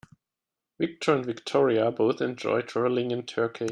Victor and Victoria both enjoy traveling in Turkey.